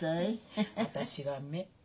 私は目。